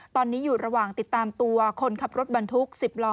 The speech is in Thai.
ตอนนี้อยู่ระหว่างติดตามตัวคนขับรถบรรทุก๑๐ล้อ